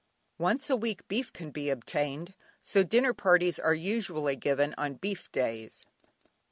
Once a week beef can be obtained, so dinner parties are usually given on "beef days."